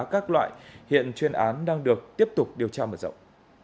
các loại hiện chuyên án đang được tiếp tục điều tra mở rộng